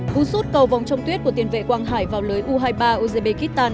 vũ sút cầu vòng trong tuyết của tiền vệ quang hải vào lưới u hai mươi ba ugb kittan